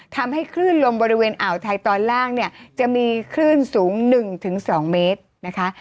ทำให้คลื่นลมบริเวณอ่าวไทยตอนล่างเนี่ยจะมีคลื่นสูง๑๒เมตรนะคะ